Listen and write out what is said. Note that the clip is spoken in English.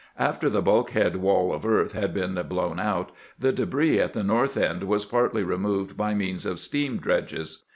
After the bulkhead wall of earth had been blown out, the debris at the north end was partly removed by means of steam dredges.